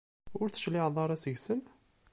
Ur d-tecliɛeḍ ara seg-sen?